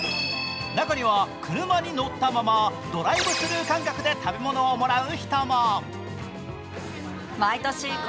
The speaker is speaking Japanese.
中には車に乗ったままドライブスルー感覚で食べ物をもらう人も。